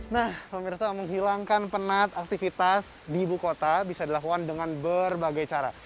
nah pemirsa menghilangkan penat aktivitas di ibu kota bisa dilakukan dengan berbagai cara